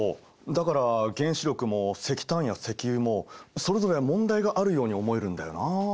だから原子力も石炭や石油もそれぞれ問題があるように思えるんだよな。